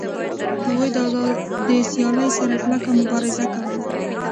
هغوی د آزادې سیالۍ سره کلکه مبارزه کوله